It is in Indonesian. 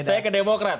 saya ke demokrat